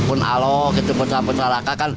untuk orang orang di sana